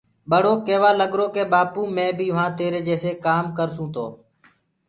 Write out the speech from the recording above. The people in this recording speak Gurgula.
ٻڙو ڪيوآ لگرو ڪي ٻآپو مي بيٚ وهآنٚ تيري جيسي ڪآم ڪرسونٚ تو